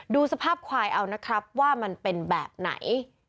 ดูสภาพควายเอานะครับว่ามันเป็นแบบไหน